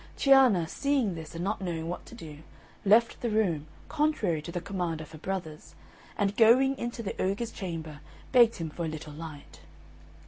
Cianna seeing this, and not knowing what to do, left the room, contrary to the command of her brothers, and going into the ogre's chamber begged him for a little light.